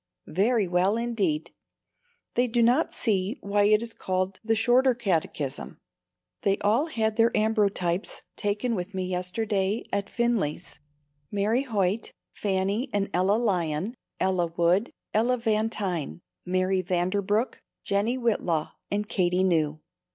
Very well indeed. They do not see why it is called the "shorter" Catechism! They all had their ambrotypes taken with me yesterday at Finley's Mary Hoyt, Fannie and Ella Lyon, Ella Wood, Ella Van Tyne, Mary Vanderbrook, Jennie Whitlaw and Katie Neu.